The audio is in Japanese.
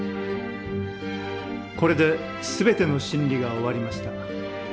これで全ての審理が終わりました。